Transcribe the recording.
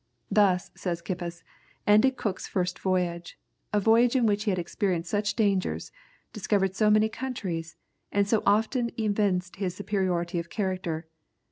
"Thus," says Kippis, "ended Cook's first voyage, a voyage in which he had experienced such dangers, discovered so many countries, and so often evinced his superiority of character.